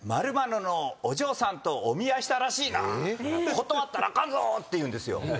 「断ったらあかんぞ！」って言うんですよ。